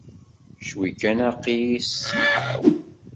Cwi kan aql-i s ṣṣeḥḥa-w.